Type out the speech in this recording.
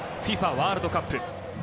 ワールドカップ。